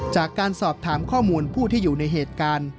จากการสอบถามข้อมูลผู้ที่อยู่ในเหตุการณ์